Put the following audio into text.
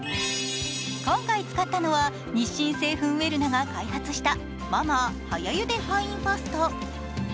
今回使ったのは日清製粉ウェルナが開発したマ・マー早ゆでファインファスト。